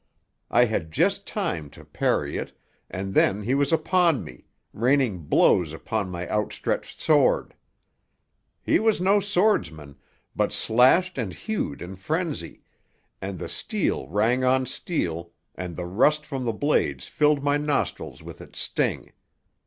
I had just time to parry it, and then he was upon me, raining blows upon my out stretched sword. He was no swordsman, but slashed and hewed in frenzy, and the steel rang on steel, and the rust from the blades filled my nostrils with its sting.